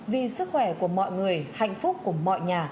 vì sức khỏe của mọi người hạnh phúc của mọi nhà